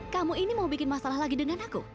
kamu ini mau bikin masalah lagi dengan aku